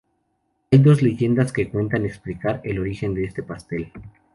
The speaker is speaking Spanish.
Hay dos leyendas que intentan explicar el origen de este pastel.